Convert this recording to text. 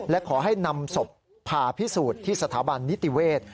และขอให้นำศพผ่าพิสูจน์ที่สถาบันนิติเวศ